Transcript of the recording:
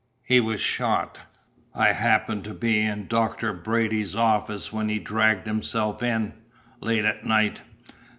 "He was shot. I happened to be in Dr. Brady's office when he dragged himself in, late at night.